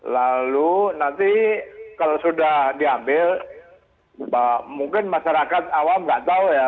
lalu nanti kalau sudah diambil mungkin masyarakat awam nggak tahu ya